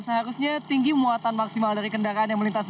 seharusnya tinggi muatan maksimal dari kendaraan yang melintas